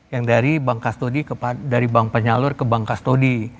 yang dari bank penyalur ke bank kastodi